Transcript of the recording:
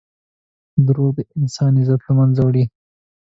دروغ د انسان عزت له منځه وړي.